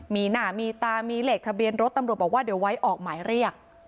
มีหน้ามีตามีเลขทะเบียนรถตำรวจบอกว่าเดี๋ยวไว้ออกหมายเรียก